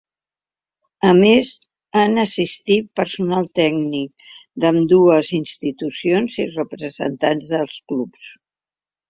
A més, han assistit personal tècnic d’ambdues institucions i representants dels clubs.